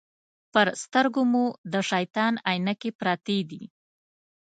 پر سترګو مو د شیطان عینکې پرتې دي.